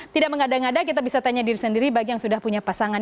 tidak mengada ngada kita bisa tanya diri sendiri bagi yang sudah punya pasangan